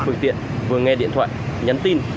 phương tiện vừa nghe điện thoại nhắn tin